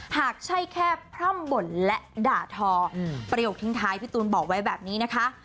หากใช่แค่พร่ำบ่นและด่าทอประโยคทิ้งท้ายพี่ตูนบอกไว้แบบนี้นะคะ